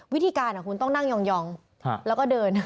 วิธีการคุณต้องนั่งยองแล้วก็เดิน